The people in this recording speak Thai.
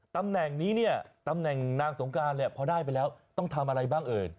ตำแหน่งนี้เนี่ยตำแหน่งนางสงการเนี่ยพอได้ไปแล้วต้องทำอะไรบ้างเอ่ย